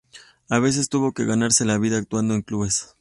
A veces tuvo que ganarse la vida actuando en clubes.